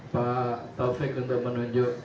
pak taufik untuk menunjuk